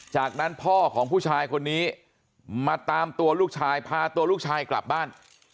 จากนั้นพ่อของผู้ชายคนนี้มาตามตัวลูกชายพาตัวลูกชายกลับบ้าน